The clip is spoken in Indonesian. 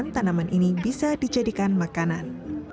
tidak heran tanaman ini bisa dijadikan makanan